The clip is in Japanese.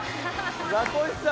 ザコシさん。